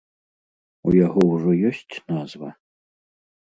У яго ўжо ёсць назва?